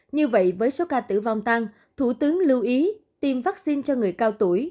như vậy với số ca tử vong tăng thủ tướng lưu ý tiêm vaccine cho người cao tuổi